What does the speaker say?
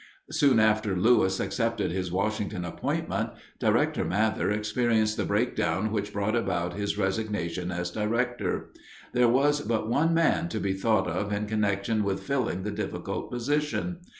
Soon after Lewis accepted his Washington appointment, Director Mather experienced the breakdown which brought about his resignation as Director. There was but one man to be thought of in connection with filling the difficult position.